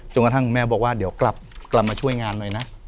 กระทั่งคุณแม่บอกว่าเดี๋ยวกลับมาช่วยงานหน่อยนะ